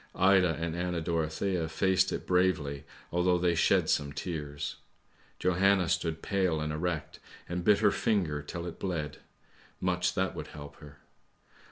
Ida and Anna Dorothea faced it bravely although they shed some tears; Johanna stood pale and erect and bit her finger till it bled! much that would help her!